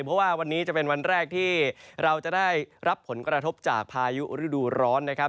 เพราะว่าวันนี้จะเป็นวันแรกที่เราจะได้รับผลกระทบจากพายุฤดูร้อนนะครับ